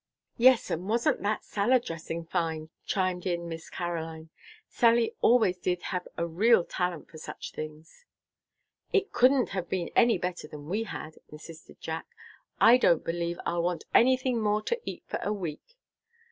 "Yes, and wasn't that salad dressing fine?" chimed in Miss Caroline. "Sally always did have a real talent for such things." "It couldn't have been any better than we had," insisted Jack. "I don't believe I'll want anything more to eat for a week."